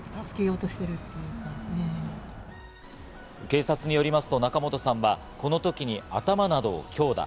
警察によりますと、仲本さんはこの時に頭などを強打。